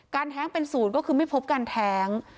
แท้งเป็นสูตรก็คือไม่พบการแท้ง